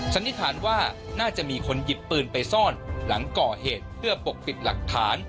สันนิษฐานว่าน่าจะมีคนหยิบปืนไปซ่อนหลังก่อเหตุเพื่อปกปิดหลักฐาน